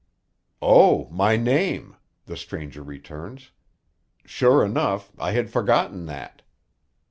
"Oh, my name," the stranger returns. "Sure enough; I had forgotten that."